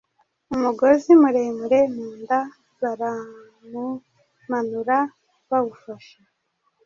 umugozi muremure mu nda baramumanura bawufashe